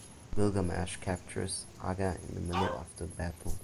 Gilgamesh captures Aga in the middle of the battle.